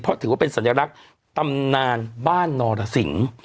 เพราะถือว่าเป็นสัญลักษณ์ตำนานบ้านนรสิง